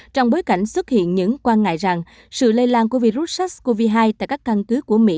trong bối cảnh xuất hiện những quan ngại rằng sự lây lan của virus sars cov hai tại các căn cứ của mỹ